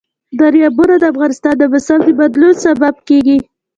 دریابونه د افغانستان د موسم د بدلون سبب کېږي.